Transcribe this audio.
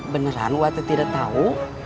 beneran wak teh tidak tahu